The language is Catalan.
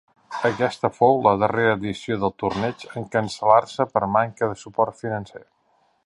Aquesta fou la darrera edició del torneig en cancel·lar-se per manca de suport financer.